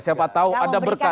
siapa tahu ada berkat